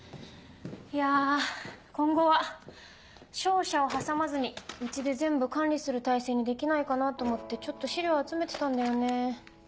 いや今後は商社を挟まずにうちで全部管理する体制にできないかなと思ってちょっと資料集めてたんだよね。